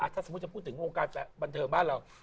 ถ้าสมมุติจะพูดถึงวงการบันเทิงบ้านเรา